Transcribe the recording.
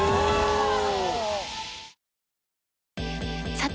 さて！